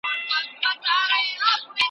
توليد بايد په منظمه توګه زيات کړای سي.